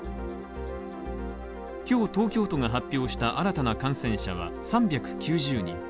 今日、東京都が発表した新たな感染者は３９０人。